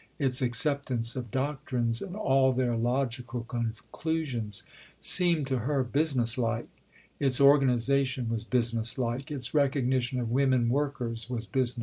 Its acceptance of doctrines in all their logical conclusions seemed to her business like; its organization was business like; its recognition of women workers was business like.